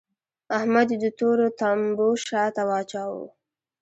احمد يې د تورو تمبو شا ته واچاوو.